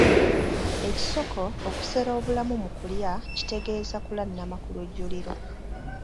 Ekisoko okusera obulamu mu kulya kitegeeza kulannama ku lujjuliro.